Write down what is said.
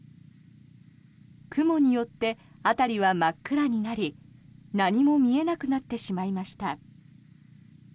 雲によって辺りは真っ暗になり何も見えなくなってしまいました。